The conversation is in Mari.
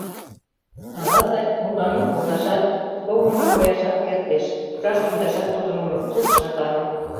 А Лазарь мутланен колташат, согымын кояшат кертеш, пукшаш-йӱкташат тудын уло, суртшат ару.